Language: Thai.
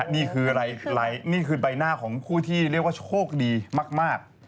นี่คืออะไรนี่คือใบหน้าของคู่ที่เรียกว่าโชคดีมาก